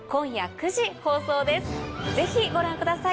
ぜひご覧ください。